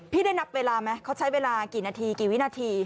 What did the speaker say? ได้นับเวลาไหมเขาใช้เวลากี่นาทีกี่วินาที